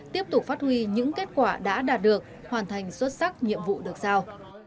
tiếp tục phát huy những kết quả đã đạt được hoàn thành xuất sắc nhiệm vụ được giao